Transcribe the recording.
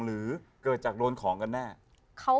หรือเกิดจากโดนของกันแน่